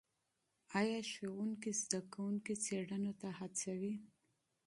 ایا استادان محصلان څېړنو ته هڅوي؟